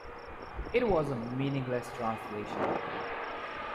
It was a meaningless translation.